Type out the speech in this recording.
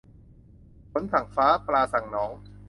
ฝนสั่งฟ้า ปลาสั่งหนอง